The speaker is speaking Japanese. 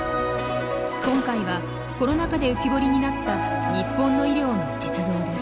今回はコロナ禍で浮き彫りになった日本の医療の実像です。